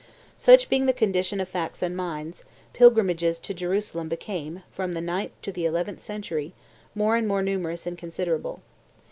Such being the condition of facts and minds, pilgrimages to Jerusalem became, from the ninth to the eleventh century, more and more numerous and considerable.